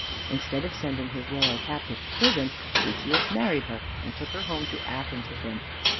Instead of sending his royal captive to prison, Theseus married her, and took her home to Athens with him.